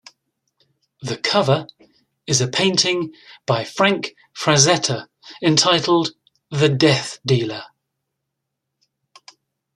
The cover is a painting by Frank Frazetta entitled "The Death Dealer".